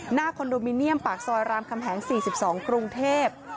คอนโดมิเนียมปากซอยรามคำแหง๔๒กรุงเทพ